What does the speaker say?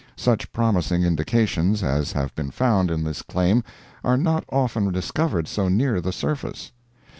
Such promising indications as have been found in this claim are not often discovered so near the surface.